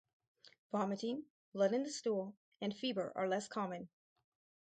Vomiting, blood in the stool, and fever are less common.